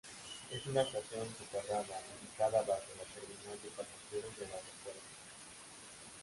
Es una estación soterrada, ubicada bajo la terminal de pasajeros del aeropuerto.